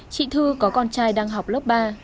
chị thư có con trai đang học lớp ba